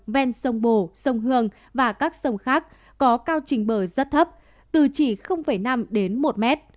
ven sông bồ sông hương và các sông khác có cao trình bờ rất thấp từ chỉ năm đến một mét